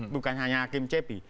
bukan hanya hakim cp